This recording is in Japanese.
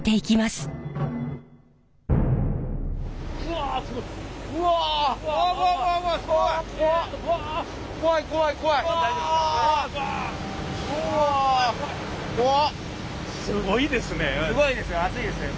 すごいですね。